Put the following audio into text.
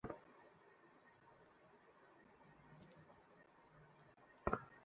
রমেশ কহিল, তুমি মনে করিতেছ বঁটি এখানে নাই?